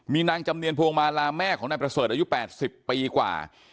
มีนางจำเนียนพวงมาลาแม่ของนายประเสริฐอายุ๘๐ปีกว่า